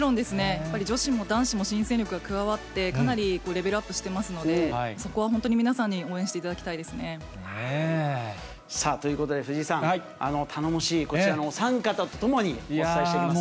やっぱり女子も男子も新戦力が加わって、かなりレベルアップしていますので、そこは本当に皆さんに応援していただきたいですね。ということで、藤井さん、頼もしいこちらのお三方と共に、お伝えしていきます。